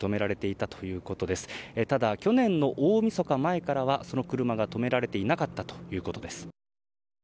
ただ、去年の大みそか前からはその車が止められていなかったということです。